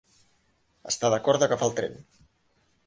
Està d'acord d'agafar el tren.